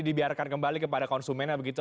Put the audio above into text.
dibiarkan kembali kepada konsumennya begitu